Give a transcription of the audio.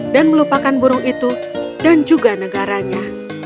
dan melupakan burung itu dan juga negaranya